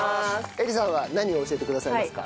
映吏さんは何を教えてくださいますか？